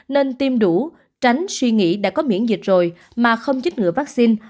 nên tiêm đủ tránh suy nghĩ đã có miễn dịch rồi mà không chích ngừa vaccine